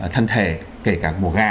thân thể kể cả mổ ga